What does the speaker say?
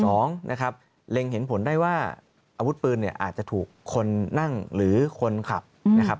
สองนะครับเล็งเห็นผลได้ว่าอาวุธปืนเนี่ยอาจจะถูกคนนั่งหรือคนขับนะครับ